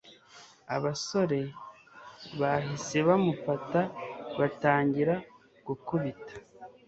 abasore bahise bamufata batangira gukubita